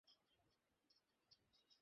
এখানে সব ঠিক আছে?